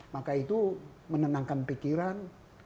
maka itu menenangkan pikiran